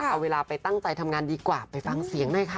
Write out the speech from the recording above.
เอาเวลาไปตั้งใจทำงานดีกว่าไปฟังเสียงหน่อยค่ะ